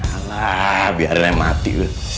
alah biar dia mati